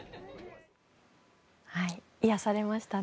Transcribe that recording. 癒やされましたね。